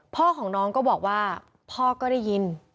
พ่อของน้องก็บอกว่าพ่อก็ได้ยิน